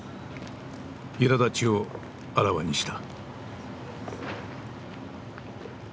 いらだちをあらわにした。